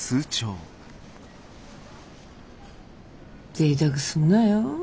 ぜいたくすんなよ。